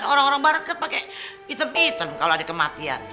orang orang barat kan pakai hitam hitam kalau ada kematian